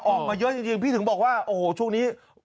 ออกมาเยอะจริงพี่ถึงบอกว่าโอ้โหช่วงนี้